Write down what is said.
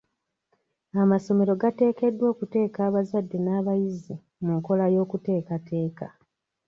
Amasomero gateekeddwa okuteeka abazadde n'abayizi mu nkola y'okuteekateeka.